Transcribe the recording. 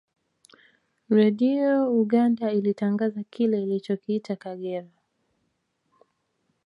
Redio Uganda ilitangaza kile ilichokiita Kagera